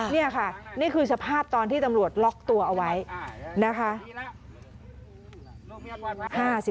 นี่ค่ะนี่คือสภาพตอนที่ตำรวจล็อกตัวเอาไว้นะคะ